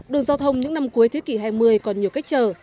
đường giao thông những năm cuối thế kỷ hai mươi còn nhiều cách chờ